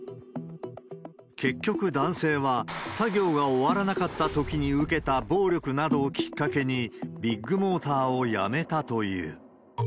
結局、男性は、作業が終わらなかったときに受けた暴力などをきっかけに、ビッグモーターを辞めたという。